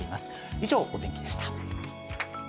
以上、お天気でした。